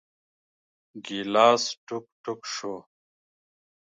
ګیلاس ټوک ، ټوک شو .